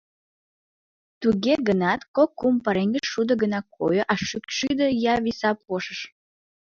Туге гынат кок-кум пареҥге шудо гына койо, а шӱкшудо ия виса пошыш.